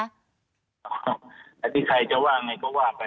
อันนี้ใครจะว่าอย่างไรก็ว่าไป